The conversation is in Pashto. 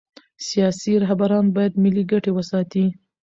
سیاسي رهبران باید ملي ګټې وساتي